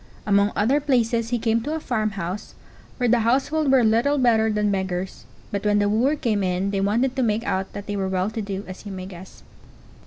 Among other places he came to a farmhouse, where the household were little better than beggars; but when the wooer came in they wanted to make out that they were well to do, as you may guess.